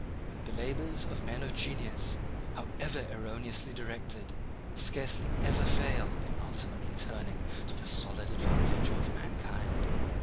The labours of men of genius, however erroneously directed, scarcely ever fail in ultimately turning to the solid advantage of mankind."